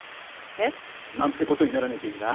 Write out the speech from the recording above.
え？なんてことにならなきゃいいな。